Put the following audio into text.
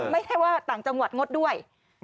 ไม่ใช่ว่าต่างจังหวัดงดด้วย